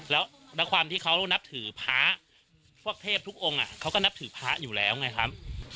แล้วด้วยความที่เขานับถือพระพวกเทพทุกองค์เขาก็นับถือพระอยู่แล้วไงครับ